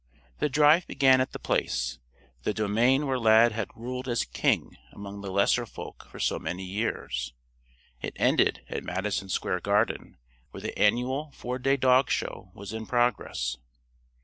The drive began at The Place the domain where Lad had ruled as King among the lesser folk for so many years. It ended at Madison Square Garden, where the annual four day dog show was in progress.